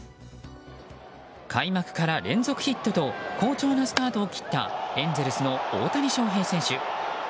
開幕から連続ヒットと好調なスタートを切ったエンゼルスの大谷翔平選手。